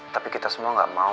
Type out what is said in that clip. tapi kita semua gak mau